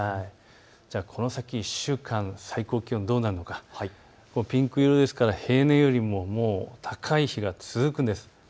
この先１週間の最高気温がどうなのか、ピンク色ですから平年よりも高い日が続くんです。